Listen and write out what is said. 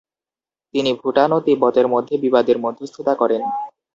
তিনি ভুটান ও তিব্বতের মধ্যে বিবাদের মধ্যস্থতা করেন।